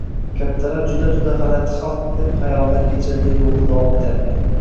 kattalar juda-juda g‘alati xalq deb xayolidan kechirdi yo‘lida davom etarkan.